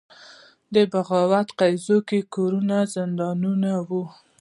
د بغاوت په قضیو کې کورونه زندانونه وو.